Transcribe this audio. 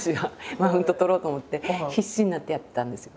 マウント取ろうと思って必死になってやってたんです。